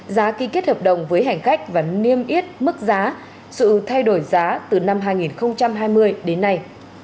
giá ký kết hợp đồng với hành khách và niêm yết mức giá sự thay đổi giá từ năm hai nghìn hai mươi đến nay